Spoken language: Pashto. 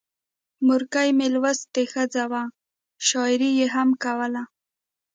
مورکۍ مې لوستې ښځه وه، شاعري یې هم کوله.